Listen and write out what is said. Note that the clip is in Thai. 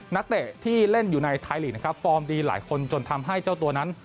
นักเตะที่เล่นอยู่ในไทยลีกนะครับฟอร์มดีหลายคนจนทำให้เจ้าตัวนั้น